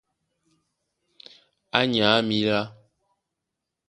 Á nyǎ mǐlá.